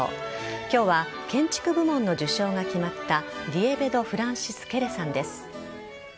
今日は建築部門の受賞が決まったディエベド・フランシス・ケレさんです。